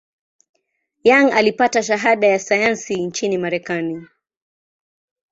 Young alipata shahada ya sayansi nchini Marekani.